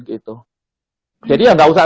gitu jadi ya nggak usah